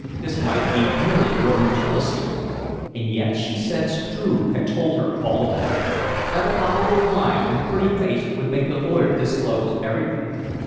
This might be merely a woman's jealousy and yet she said Struve had told her all about it that a bottle of wine and a pretty face would make the lawyer disclose everything.